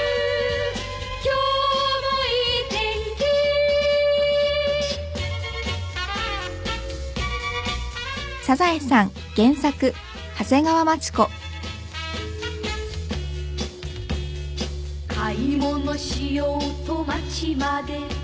「今日もいい天気」「買い物しようと街まで」